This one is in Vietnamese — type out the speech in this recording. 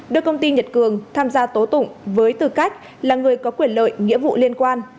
đưa công ty nhật cường tham gia tố tụng với tư cách là người có quyền lợi nghĩa vụ liên quan